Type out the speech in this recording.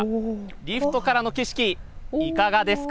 リフトからの景色いかがですか。